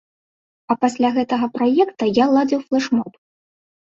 А пасля гэтага праекта я ладзіў флэш-моб.